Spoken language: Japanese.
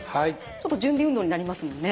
ちょっと準備運動になりますもんね。